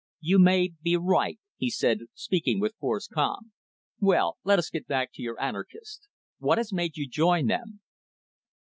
"You may be right," he said, speaking with forced calm. "Well, let us get back to your anarchists. What has made you join them?"